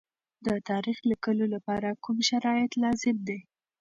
د تاریخ لیکلو لپاره کوم شرایط لازم دي؟